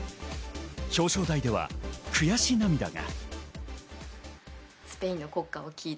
表彰台では悔し涙が。